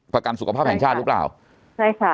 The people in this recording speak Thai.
ประกันสุขภาพแห่งชาติหรือเปล่าใช่ค่ะ